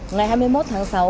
ngày hai mươi một tháng sáu